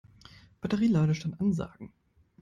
Batterie-Ladestand ansagen.